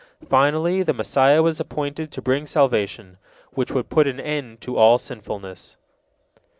Finally, the Messiah was appointed to bring salvation, which would put an end to all sinfulness.